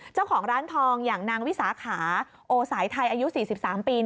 เจ้าของร้านทองอย่างนางวิสาขาโอสายไทยอายุ๔๓ปี